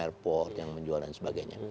airport yang menjual dan sebagainya